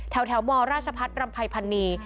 แถวมราชพัฒน์รำภัยพันนี